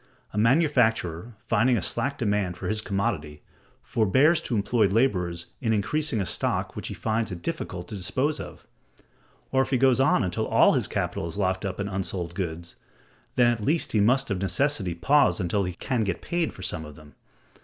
A manufacturer, finding a slack demand for his commodity, forbears to employ laborers in increasing a stock which he finds it difficult to dispose of; or if he goes on until all his capital is locked up in unsold goods, then at least he must of necessity pause until he can get paid for some of them.